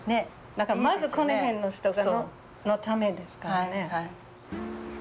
まずこの辺の人のためですからね。